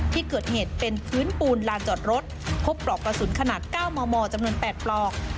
ที่เกิดเหตุเป็นพื้นปูนลานจอดรถพบปลอกกระสุนขนาด๙มมจำนวน๘ปลอก